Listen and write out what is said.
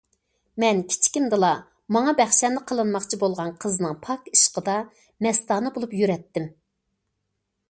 مەن كىچىكىمدىلا ماڭا بەخشەندە قىلىنماقچى بولغان قىزنىڭ پاك ئىشقىدا مەستانە بولۇپ يۈرەتتىم.